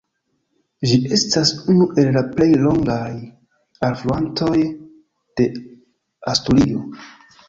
Ĝi estas unu el la plej longaj alfluantoj de Asturio.